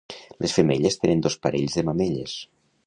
Les femelles tenen dos parells de mamelles.